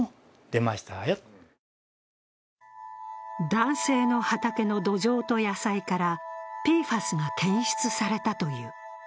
男性の畑の土壌と野菜からＰＦＡＳが検出されたという。